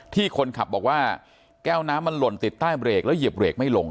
ที่คนขับบอกว่าแก้วน้ำมันหล่นติดใต้เบรกแล้วเหยียบเบรกไม่ลง